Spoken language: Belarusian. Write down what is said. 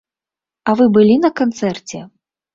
А вы былі на канцэрце?